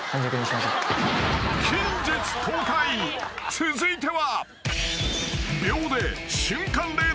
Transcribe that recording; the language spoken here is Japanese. ［続いては］